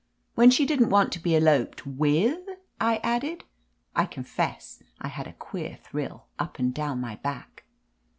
"When she didn't want to be eloped with !" I added. I confess I had a queer thrill up and down my back.